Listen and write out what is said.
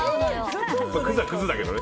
クズはクズだけど。